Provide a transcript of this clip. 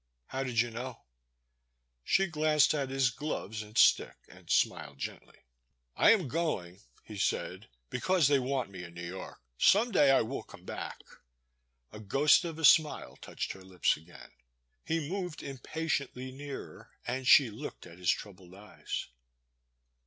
How did you know ?*' She glanced at his gloves and stick and smiled gently. 26o The Boys Sister. I am going, he said, because they want me in New York. Some day I will come back '* A ghost of a smile touched her lips again. He moved impatiently nearer, and she looked at his troubled eyes.